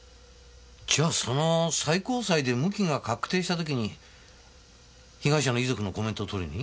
じゃあその最高裁で無期が確定した時に被害者の遺族のコメントを取りに？